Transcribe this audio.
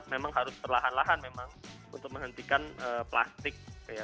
memang harus perlahan lahan memang untuk menghentikan plastik